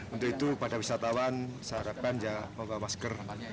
untuk itu pada wisatawan seharapnya ya membawa masker